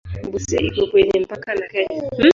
Busia iko kwenye mpaka na Kenya.